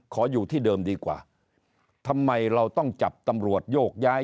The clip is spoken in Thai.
ขออยู่ที่เดิมดีกว่าทำไมเราต้องจับตำรวจโยกย้าย